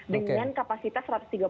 dengan kapasitas satu ratus tiga puluh